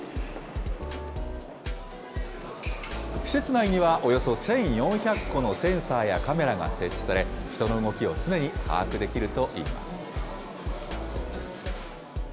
施設内にはおよそ１４００個のセンサーやカメラが設置され、人の動きを常に把握できるといいます。